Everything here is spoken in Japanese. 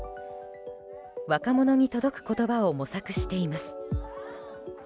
若者に届く言葉を模索しています。